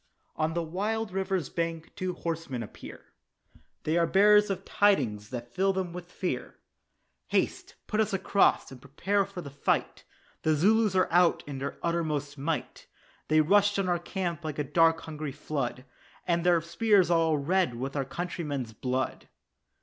On the wild river's bank two horsemen appear, They are bearers of tidings that fill them with fear; "Haste, put us across, and prepare for the fight, The Zulus are out in their uttermost might; They rushed on our camp like a dark hungry flood, And their spears are all red with our countrymen's blood."